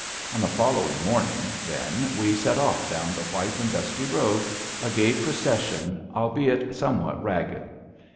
On the following morning, then, we set off down the white and dusty road, a gay procession, albeit somewhat ragged.